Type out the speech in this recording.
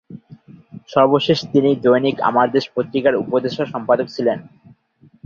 সর্বশেষ তিনি দৈনিক আমার দেশ পত্রিকার উপদেষ্টা সম্পাদক ছিলেন।